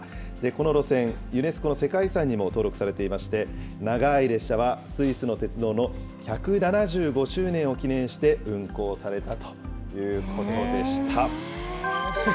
この路線、ユネスコの世界遺産にも登録されていまして、長い列車はスイスの鉄道の１７５周年を記念して運行されたということでした。